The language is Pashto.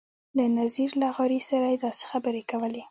له نذیر لغاري سره یې داسې خبرې کولې.